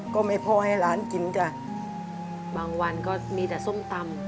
ก็ไม่พอให้ร้านกินจ้ะบางวันก็มีแต่ส้มตำ